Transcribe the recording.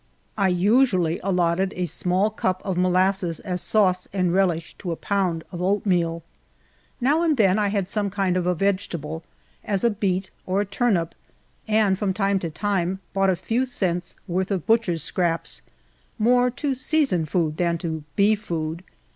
I usually allotted a small cup of molasses as sauce and relish to a pound of oatmeal. Now and then I had some kind of a ve^retable, as a beet, or a turnip, and from time to time bought a few cents' worth of butcher's scraps, moi"e to season food than to be food.